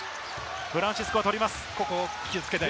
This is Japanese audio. フランシスコが取ります。